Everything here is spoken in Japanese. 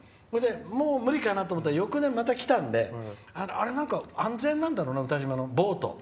もう無理かなと思ったら、翌年また来たんで安全なんだろうな、詩島のボート。